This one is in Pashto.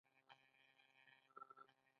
په هډه کې زرګونه مجسمې موندل شوي